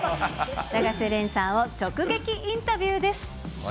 永瀬廉さんを直撃インタビューです。